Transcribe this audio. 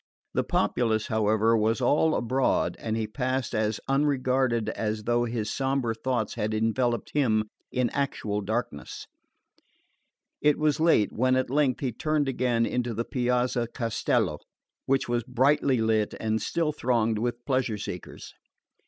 The populace, however, was all abroad, and he passed as unregarded as though his sombre thoughts had enveloped him in actual darkness. It was late when at length he turned again into the Piazza Castello, which was brightly lit and still thronged with pleasure seekers.